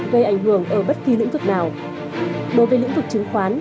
gây ảnh hưởng ở bất kỳ lĩnh vực nào đối với lĩnh vực chứng khoán